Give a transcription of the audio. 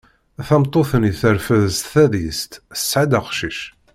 Tameṭṭut-nni terfed s tadist, tesɛa-d aqcic.